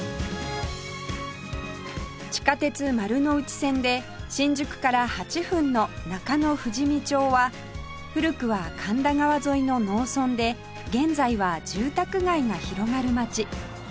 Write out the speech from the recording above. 地下鉄丸ノ内線で新宿から８分の中野富士見町は古くは神田川沿いの農村で現在は住宅街が広がる街